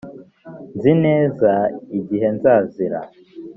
nzi neza igihe nzazira